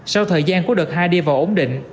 sau thời gian của đợt hai đi vào ổn định